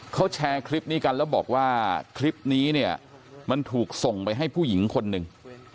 เขาแชร์คลิปนี้กันแล้วบอกว่าคลิปนี้เนี่ยมันถูกส่งไปให้ผู้หญิงคนหนึ่ง